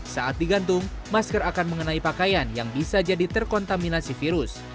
saat digantung masker akan mengenai pakaian yang bisa jadi terkontaminasi virus